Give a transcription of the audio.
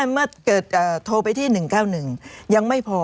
เมื่อเกิดโทรไปที่๑๙๑ยังไม่พอ